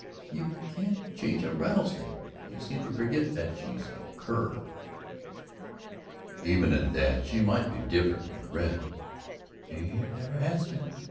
"You can't change a rattlesnake. You seem to forget that she's a Kerr." "Even at that, she might be different from the rest." "She never has been.